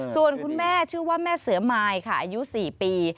ส่วนคุณแม่ชื่อว่าแม่เสือมายค่ะอายุ๔ปี